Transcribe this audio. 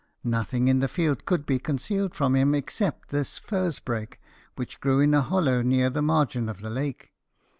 Nothing in the field could be concealed from him, except this furze brake, which grew in a hollow near the margin of the lake.